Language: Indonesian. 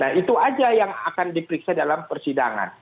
nah itu aja yang akan diperiksa dalam persidangan